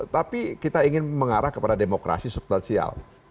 tapi kita ingin mengarah kepada demokrasi substansial